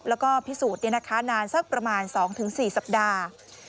แล้วก็พิสูจน์นานสักประมาณ๒๔สัปดาห์